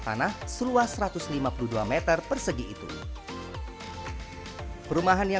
halo mbak priscil sehat ya